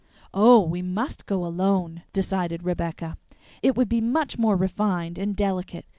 "Oh! We must go alone," decided Rebecca; "it would be much more refined and delicate.